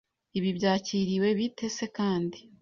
Ibi byakiriwe bite se kandi